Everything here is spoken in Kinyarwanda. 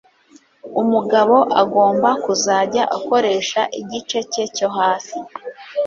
umugabo agomba kuzajya akoresha igice cye cyo hasi